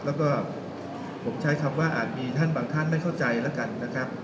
แล้วก็ผมใช้คำว่าอาจมีท่านบางท่านไม่เข้าใจแล้วกันนะครับ